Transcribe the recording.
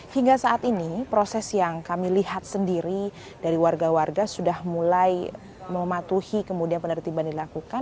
hingga saat ini proses yang kami lihat sendiri dari warga warga sudah mulai mematuhi kemudian penertiban dilakukan